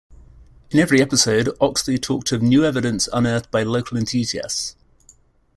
In every episode, Oxley talked of "new evidence unearthed by local enthusiasts".